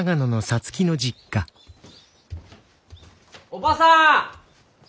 おばさん！